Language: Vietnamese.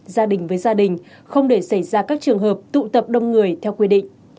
gia đình với gia đình không để xảy ra các trường hợp tụ tập đông người theo quy định